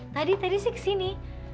tadi tadi sih kesini